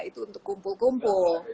itu untuk kumpul kumpul